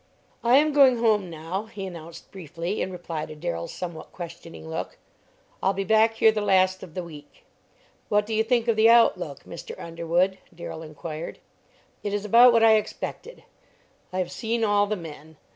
"I am going home now," he announced briefly, in reply to Darrell's somewhat questioning look; "I'll be back here the last of the week." "What do you think of the outlook, Mr. Underwood?" Darrell inquired. "It is about what I expected. I have seen all the men.